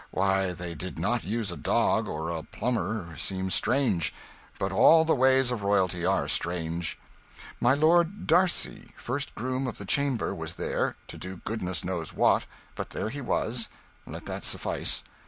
Why they did not use a dog or a plumber seems strange; but all the ways of royalty are strange. My Lord d'Arcy, First Groom of the Chamber, was there, to do goodness knows what; but there he was let that suffice.